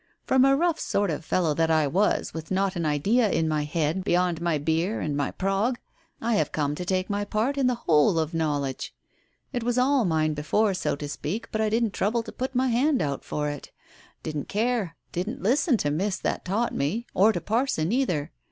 From a rough sort of fellow that I was, with not an idea in my head beyond my beer and my prog, I have come to take my part in the whole of knowledge. It was all mine before, so to speak, but I didn't trouble to put my hand out for it. Didn't care, didn't listen to Miss that taught me, or to Parson, either.